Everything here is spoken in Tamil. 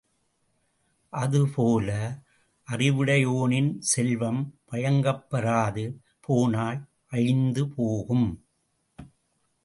அதுபோல அறிவுடையோனின் செல்வம் வழங்கப் பெறாது போனால் அழிந்துபோகும்.